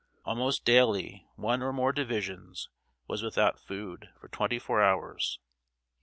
Almost daily one or more divisions was without food for twenty four hours.